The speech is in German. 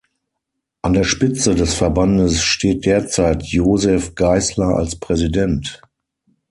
An der Spitze des Verbandes steht derzeit Josef Geisler als Präsident.